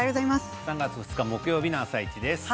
３月２日木曜日の「あさイチ」です。